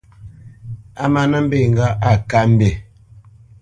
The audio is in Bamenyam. A má nə́ mbe ŋgâʼ á kát mbî.